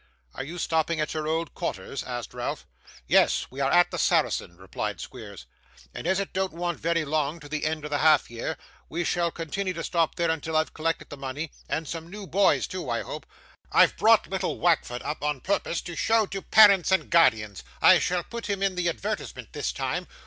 'Are you stopping at your old quarters?' asked Ralph. 'Yes, we are at the Saracen,' replied Squeers, 'and as it don't want very long to the end of the half year, we shall continney to stop there till I've collected the money, and some new boys too, I hope. I've brought little Wackford up, on purpose to show to parents and guardians. I shall put him in the advertisement, this time.